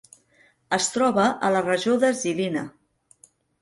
Es troba a la regió de Žilina.